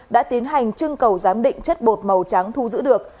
đã tiến hành trưng cầu giám định chất bột màu trắng thu giữ được